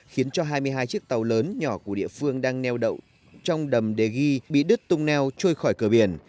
khiến cho hai mươi hai chiếc tàu lớn nhỏ của địa phương đang neo đậu trong đầm đề ghi bị đứt tung neo trôi khỏi cửa biển